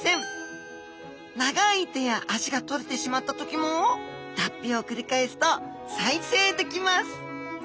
長い手や脚がとれてしまった時も脱皮を繰り返すと再生できます